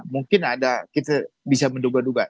mungkin ada kita bisa menduga duga